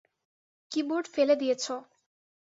Keyboard ফেলে দিয়েছ।